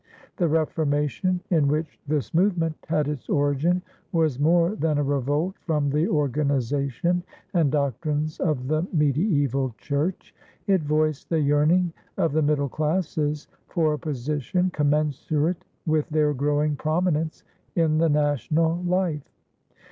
The Reformation, in which this movement had its origin, was more than a revolt from the organization and doctrines of the mediæval church; it voiced the yearning of the middle classes for a position commensurate with their growing prominence in the national life.